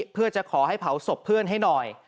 เพื่อจะขอให้เผาศพเพื่อนให้หน่อย